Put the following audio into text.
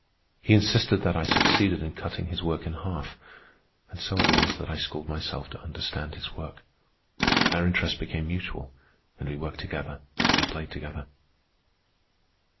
He insisted that I succeeded in cutting his work in half; and so it was that I schooled myself to understand his work. Our interests became mutual, and we worked together and played together.